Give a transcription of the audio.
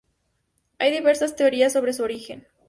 Hay diversas teorías sobre su origen.